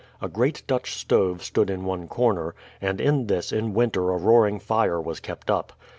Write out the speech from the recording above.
A great Dutch stove stood in one corner, and in this in winter a roaring fire was kept up.